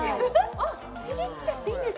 ちぎっちゃっていいんですか？